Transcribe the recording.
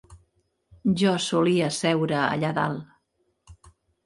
Jo solia seure allà dalt